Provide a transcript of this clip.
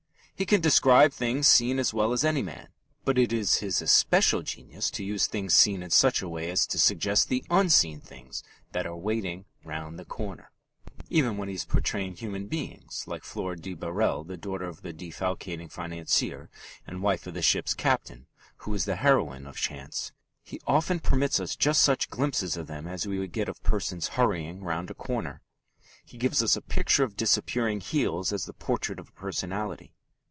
He can describe things seen as well as any man, but it is his especial genius to use things seen in such a way as to suggest the unseen things that are waiting round the corner. Even when he is portraying human beings, like Flora de Barrel the daughter of the defalcating financier and wife of the ship's captain, who is the heroine of Chance he often permits us just such glimpses of them as we get of persons hurrying round a corner. He gives us a picture of disappearing heels as the portrait of a personality.